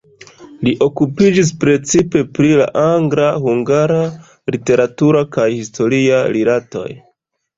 Li okupiĝis precipe pri la angla-hungara literatura kaj historia rilatoj.